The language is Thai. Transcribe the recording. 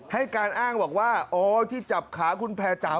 ให้การอ้างบอกว่าอ๋อที่จับขาคุณแพรจ๋า